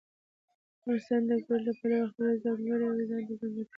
افغانستان د وګړي له پلوه خپله ځانګړې او ځانته ځانګړتیا لري.